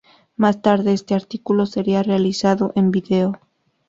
Más tarde este artículo sería realizado en vídeo.